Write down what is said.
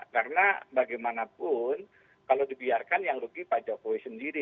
karena bagaimanapun kalau dibiarkan yang rugi pak jokowi sendiri